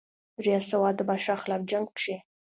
درياست سوات د بادشاه خلاف جنګ کښې